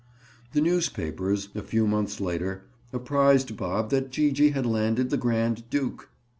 The newspapers, a few months later, apprised Bob that Gee gee had landed the grand duke.